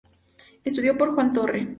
Estudio por Juan Torre.